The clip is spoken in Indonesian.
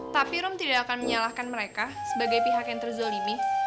tapi rom tidak akan menyalahkan mereka sebagai pihak yang terzolimi